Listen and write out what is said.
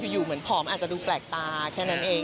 อยู่เหมือนผอมอาจจะดูแปลกตาแค่นั้นเอง